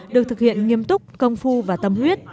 được thực hiện nghiêm túc công phu và tâm huyết